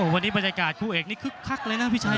วันนี้บรรยากาศผู้แอดครับแปลวันนี้ขึ๊กเลยนะพี่ชัย